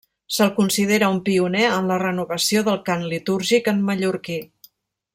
Se'l considera un pioner en la renovació del cant litúrgic en mallorquí.